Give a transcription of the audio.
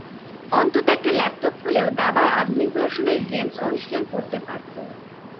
অন্তত একটা ল্যাপটপ হলেও দাবার আধুনিক ভার্সনের গেমস অনুশীলন করতে পারত।